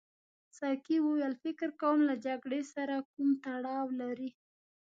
ساقي وویل فکر کوم له جګړې سره کوم تړاو لري.